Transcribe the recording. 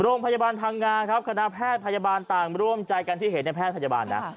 โรงพยาบาลพังงาครับคณะแพทย์พยาบาลต่างร่วมใจกันที่เห็นในแพทย์พยาบาลนะ